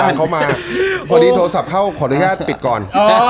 มาพอดีโทรศัพท์เข้าขออนุญาตปิดก่อน